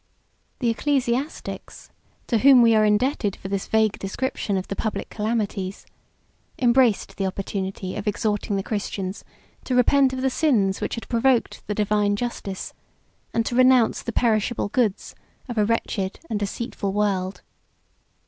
91 The ecclesiastics, to whom we are indebted for this vague description of the public calamities, embraced the opportunity of exhorting the Christians to repent of the sins which had provoked the Divine Justice, and to renounce the perishable goods of a wretched and deceitful world.